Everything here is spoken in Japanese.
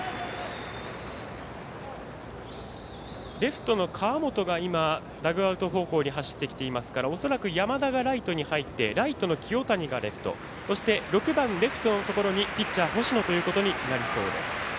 レフトの川元がダグアウト方向に走ってきていますから恐らく、山田がライトに入ってライトの清谷がレフト６番レフトのところにピッチャー星野になりそうです。